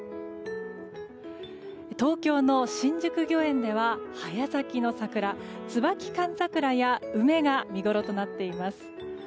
東京の新宿御苑では早咲きの桜椿寒桜や梅が見ごろとなっています。